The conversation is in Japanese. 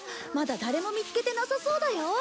まだ誰も見つけてなさそうだよ。